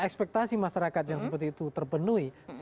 ekspektasi masyarakat yang seperti itu terpenuhi